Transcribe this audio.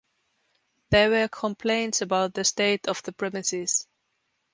There were complaints about the state of the premises.